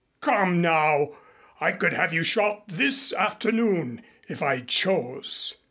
Come now, I could have you shot this afternoon if I chose.